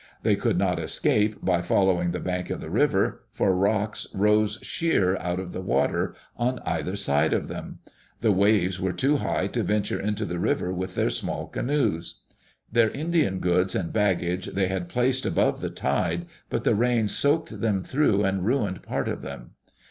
They could not escape by following the bank of the river, for rocks rose sheer out of the water on either side of them. The waves were too high to venture into the river with their small canoes. Digitized by VjOOQ IC THE ADVENTURES OF LEWIS AND CLARK Their Indian goods and baggage they had placed above the tide, but the rains soaked them through and ruined part of them.